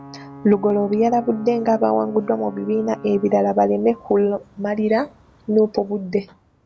Lugoloobi yalabudde ng'abawanguddwa mu bibiina ebirala baleme kumalira Nuupu budde